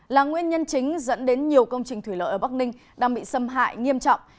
là nguyên nhân chính dẫn đến nhiều công trình thủy lợi ở bắc ninh đang bị xâm hại nghiêm trọng